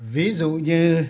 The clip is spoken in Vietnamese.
ví dụ như